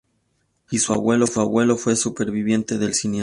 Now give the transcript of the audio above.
Y, su abuelo fue superviviente del siniestro.